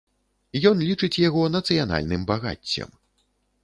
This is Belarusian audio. Ён лічыць яго нацыянальным багаццем.